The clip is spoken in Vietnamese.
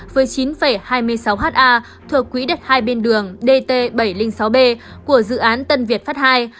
với chín hai mươi sáu ha thuộc quỹ đất hai bên đường dt bảy trăm linh sáu b của dự án tân việt pháp ii